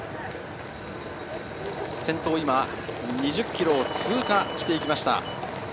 先頭、今、２０ｋｍを通過していきました。